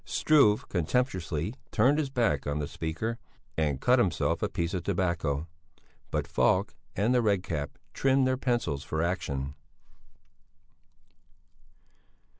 Struve contemptuously turned his back on the speaker and cut himself a piece of tobacco. But Falk and the Red Cap trimmed their pencils for action.